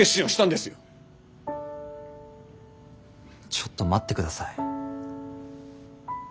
ちょっと待って下さい。